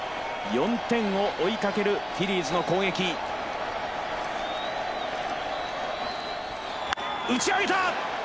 ４点を追いかけるフィリーズの攻撃打ち上げた！